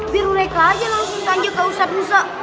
biar urek aja langsung